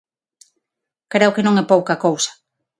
Creo que non é pouca cousa.